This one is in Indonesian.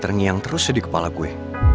karena ada yang terusnya di kepala gue